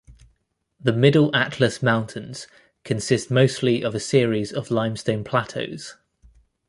The Middle Atlas Mountains consist mostly of a series of limestone plateaus.